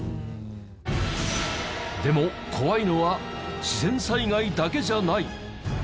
でも怖いのは自然災害だけじゃない！